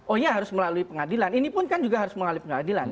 oh iya harus melalui pengadilan ini pun kan juga harus melalui pengadilan